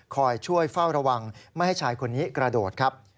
คอยช่วยเฝ้าระวังไม่ให้ชายคนนี้กระโดดครับ